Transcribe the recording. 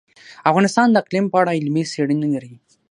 افغانستان د اقلیم په اړه علمي څېړنې لري.